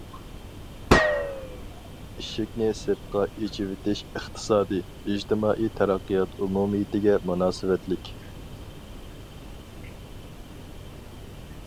ئىشىكنى سىرتقا ئېچىۋېتىش ئىقتىسادىي، ئىجتىمائىي تەرەققىيات ئومۇمىيىتىگە مۇناسىۋەتلىك.